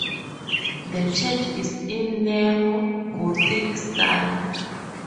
The church is in neo-Gothic style.